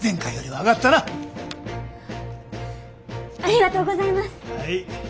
はい。